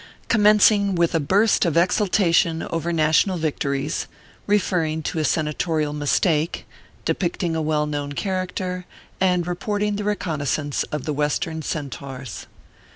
COMMENCING WITH A BURST OP EXULTATION* OVER NATIONAL VICTO RIES, REFERRING TO A SENATORIAL MISTAKE, DEPICTING A WELL KNOWN CHARACTER, AND REPORTING THE RECONNOISSANCE OP THE WESTERN CENTAURS.